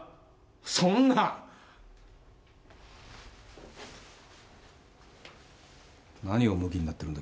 そんな何をムキになってるんだ